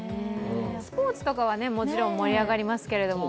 スポーツとかはもちろん盛り上がりますけど。